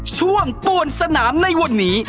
ช่วงปวนสนามในวันนี้